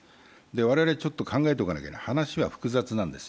我々ちょっと考えておかなければならないのは、話は複雑なんです。